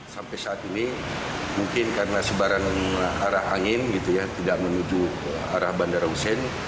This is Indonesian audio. sampai saat ini mungkin karena sebarang arah angin tidak menuju arah bandara hussein